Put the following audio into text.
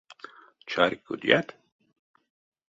Чарькодят?